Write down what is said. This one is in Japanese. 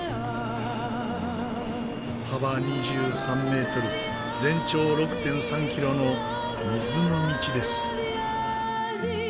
幅２３メートル全長６．３キロの水の道です。